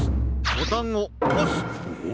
ボタンをおす。